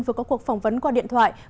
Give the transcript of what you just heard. vừa có cuộc phỏng vấn qua điện thoại